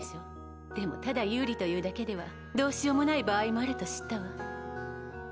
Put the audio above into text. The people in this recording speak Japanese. でもただ有利というだけではどうしようもない場合もあると知ったわ。